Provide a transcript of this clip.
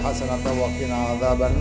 ya allah ya rabbul alamin